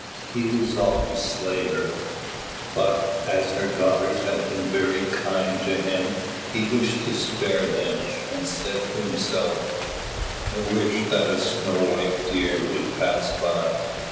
He resolved to slay her; but as her daughters had been very kind to him, he wished to spare them, and said to himself: "I wish that a snow white deer would pass by!"